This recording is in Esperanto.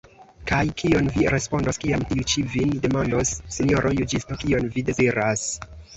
Kaj kion vi respondos, kiam tiu ĉi vin demandos sinjoro juĝisto, kion vi deziras?